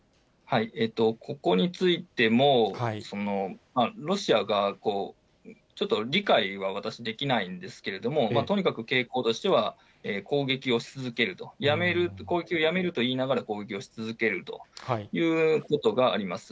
ここについても、ロシアが、ちょっと理解は私、できないんですけれども、とにかく傾向としては、攻撃をし続けると、攻撃をやめると言いながら、攻撃をし続けるということがあります。